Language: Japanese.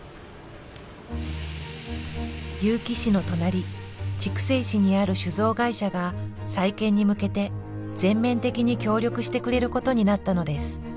結城市の隣筑西市にある酒造会社が再建に向けて全面的に協力してくれることになったのです。